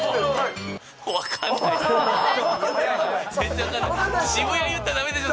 分かんないです。